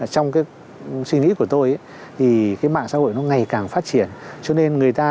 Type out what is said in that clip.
trong suy nghĩ của tôi thì mạng xã hội nó ngày càng phát triển cho nên người ta